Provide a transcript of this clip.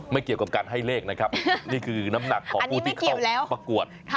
เกี่ยวกับการให้เลขนะครับนี่คือน้ำหนักของผู้ที่เข้าประกวด